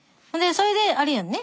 それであれやんね？